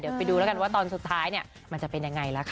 เดี๋ยวไปดูแล้วกันว่าตอนสุดท้ายเนี่ยมันจะเป็นยังไงล่ะค่ะ